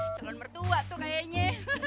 celon mertua tuh kayaknya